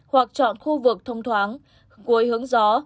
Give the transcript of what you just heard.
hoặc chọn khu vực thông thoáng cuối hướng gió